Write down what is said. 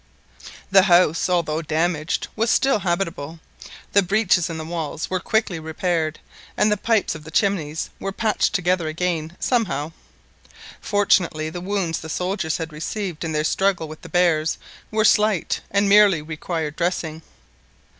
The house, although damaged, was still habitable; the breaches in the walls were quickly repaired, and the pipes of the chimneys were patched together again somehow Fortunately the wounds the soldiers had received in their struggle with the bears were slight, and merely required dressing.